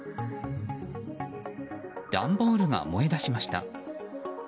段ボールが燃え出しました。